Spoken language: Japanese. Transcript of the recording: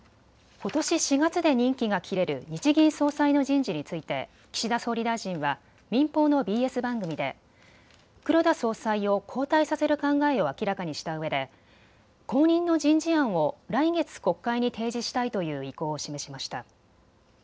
ことし４月で任期が切れる日銀総裁の人事について岸田総理大臣は民放のＢＳ番組で黒田総裁を交代させる考えを明らかにしたうえで後任の人事案を来月、国会に提示したいという意向を示しました。